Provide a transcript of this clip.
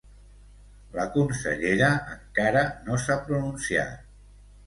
La consellera encara no s’ha pronunciat.